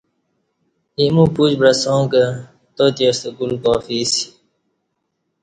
ایمو پوچ بعساں کہ تاتے ستہ گُل کافی اسی